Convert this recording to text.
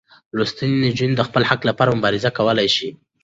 لوستې نجونې د خپل حق لپاره مبارزه کولی شي.